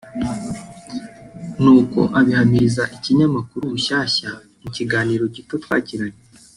nuko abihamiriza ikinyamakuru Rushyashya mu kiganiro gito twagiranye